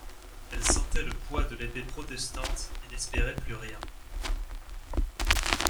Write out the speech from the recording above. Elle sentait le poids de l'épée protestante et n'espérait plus rien.